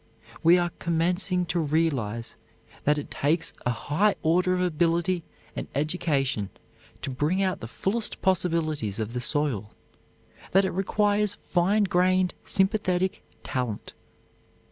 We are commencing to realize that it takes a high order of ability and education to bring out the fullest possibilities of the soil; that it requires fine grained sympathetic talent.